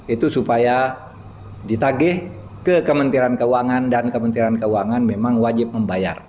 itu supaya ditagih ke kementerian keuangan dan kementerian keuangan memang wajib membayar